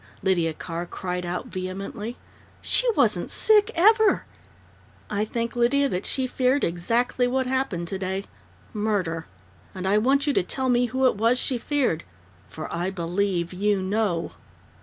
Lydia Carr cried out vehemently. "She wasn't sick, ever " "I think, Lydia, that she feared exactly what happened today murder! And I want you to tell me who it was she feared. _For I believe you know!